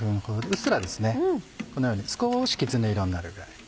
うっすらこのように少しきつね色になるぐらい。